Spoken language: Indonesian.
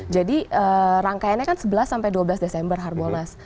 jadi rangkaiannya kan sebelas dua belas desember harbolnas